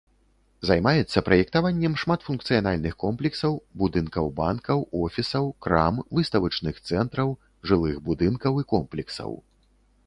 Займаецца праектаваннем шматфункцыянальных комплексаў, будынкаў банкаў, офісаў, крам, выставачных цэнтраў, жылых будынкаў і комплексаў.